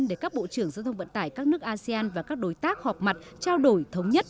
để các bộ trưởng giao thông vận tải các nước asean và các đối tác họp mặt trao đổi thống nhất